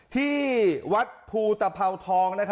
ที่วัฒน์ภูตเพาทอง